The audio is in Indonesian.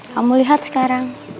kamu lihat sekarang